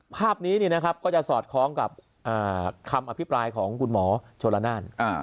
ภาพหนี้จะสอดคล้องกับคำอภิปรายของโหมชัตรนาน